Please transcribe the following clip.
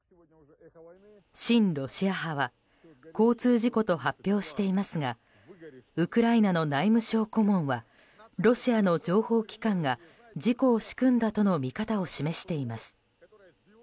親ロシア派は交通事故と発表していますがウクライナの内務相顧問はロシアの情報機関が事故を仕組んだとの見方を示しています。